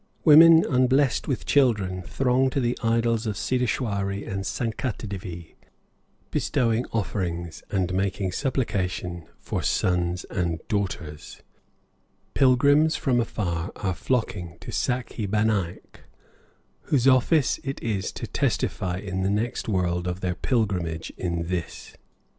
Women unblessed with children throng to the idols of Sidheswari and Sankatadevi, bestowing offerings and making supplication for sons and daughters; pilgrims from afar are flocking to Sakhi Banaik, whose office it is to testify in the next world of their pilgrimage in this.